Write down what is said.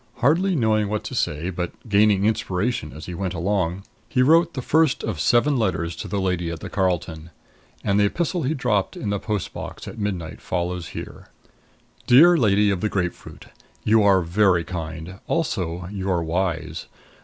Hardly knowing what to say, but gaining inspiration as he went along, he wrote the first of seven letters to the lady at the Carlton. And the epistle he dropped in the post box at midnight follows here: DEAR LADY OF THE GRAPEFRUIT: You are very kind. Also, you are wise.